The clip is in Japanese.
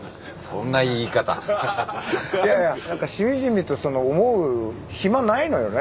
いやいやしみじみと思う暇ないのよね。